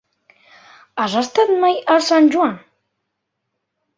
Has estat mai a Sant Joan?